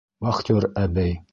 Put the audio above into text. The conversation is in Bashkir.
Вахтер әбей!